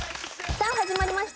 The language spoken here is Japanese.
さあ始まりました